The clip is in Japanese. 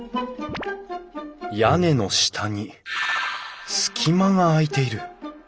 屋根の下に隙間が空いている。